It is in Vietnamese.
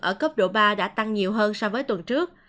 ở cấp độ ba đã tăng nhiều hơn so với tuần trước